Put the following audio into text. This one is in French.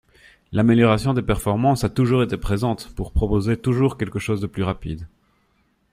L’amélioration des performances a toujours été présente, pour proposer toujours quelque chose de plus rapide.